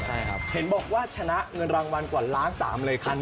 เห็นบอกว่าชนะเงินรางวัลกว่าล้านสามเลยครั้งนี้